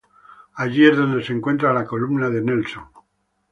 Allí es donde se encuentra la "columna de Nelson".